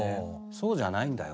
「そうじゃないんだよ」